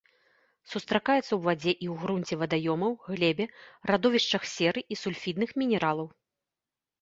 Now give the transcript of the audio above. Сустракаюцца у вадзе і грунце вадаёмаў, глебе, радовішчах серы і сульфідных мінералаў.